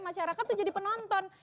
masyarakat itu jadi penonton